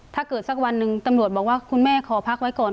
สักวันหนึ่งตำรวจบอกว่าคุณแม่ขอพักไว้ก่อน